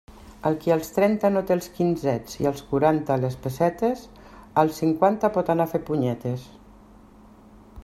El qui als trenta no té els quinzets i als quaranta les pessetes, als cinquanta pot anar a fer punyetes.